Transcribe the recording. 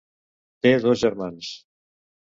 Té dos germans.